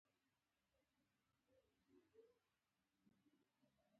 په ډاډه زړه مې مثانه تشه کړه.